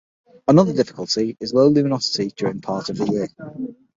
Another difficulty is the low luminosity during part of the year.